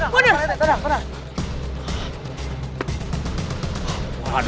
tidak pak rete tidak